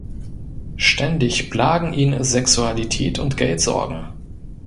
Ständig plagen ihn Sexualität und Geldsorgen.